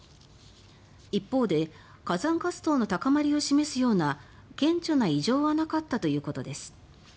一方で火山活動の高まりを示すような顕著な異常はなかったということです。